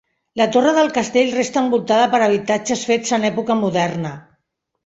La torre del castell resta envoltada per habitatges fets en època moderna.